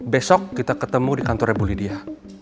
besok kita ketemu di kantornya bulidia